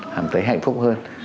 cảm thấy hạnh phúc hơn